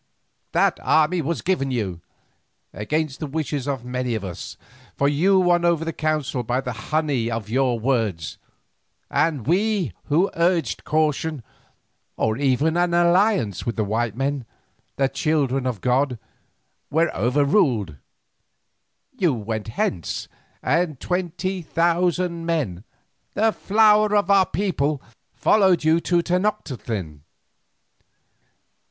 That army was given you, against the wishes of many of us, for you won over the council by the honey of your words, and we who urged caution, or even an alliance with the white men, the children of god, were overruled. You went hence, and twenty thousand men, the flower of our people, followed you to Tenoctitlan.